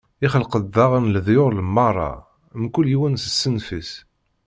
Ixleq-d daɣen leḍyur meṛṛa, mkul yiwen s ṣṣenf-is.